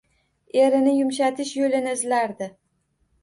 Erini yumshatish yo‘lini izlardi.